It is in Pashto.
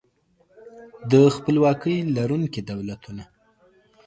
د خپلواکۍ لرونکي دولتونه